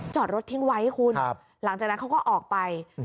จอดรถทิ้งไว้คุณหลังจากนั้นเขาก็ออกไป